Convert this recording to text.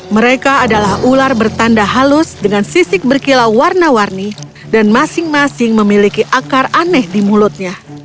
mereka adalah ular bertanda halus dengan sisik berkilau warna warni dan masing masing memiliki akar aneh di mulutnya